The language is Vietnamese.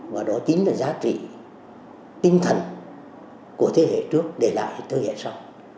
và đó chính là giá trị tinh thần của thế hệ trước để lại thế hệ sau